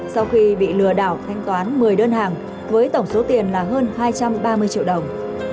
sau khi bị lừa đảo thanh toán một mươi đơn hàng với tổng số tiền là hơn hai trăm ba mươi triệu đồng